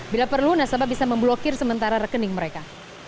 bila perlu nasabah bisa memblokir sementara rekening mereka